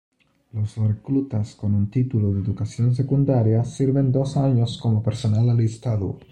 Los reclutas con un título de Educación Secundaria sirven dos años como personal alistado.